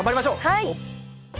はい！